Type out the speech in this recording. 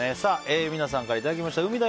皆さんからいただきました海だ！